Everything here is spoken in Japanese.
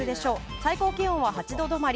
最高気温は８度止まり。